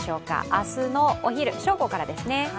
明日の正午からですね。